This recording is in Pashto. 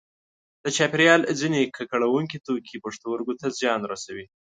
د چاپیریال ځینې ککړوونکي توکي پښتورګو ته زیان رسوي.